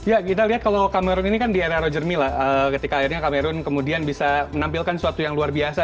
ya kita lihat kalau kamerun ini kan di era roger milla ketika akhirnya kamerun kemudian bisa menampilkan suatu yang luar biasa